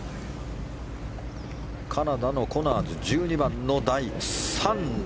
カナダのコナーズ１２番の第３打。